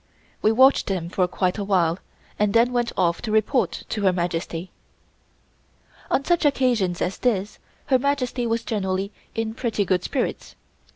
We watched them for quite a while and then went off to report to Her Majesty. On such occasions as this Her Majesty was generally in pretty good spirits.